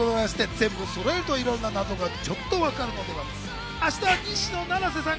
全部そろえるといろんな謎がちょっとわかるかもしれません。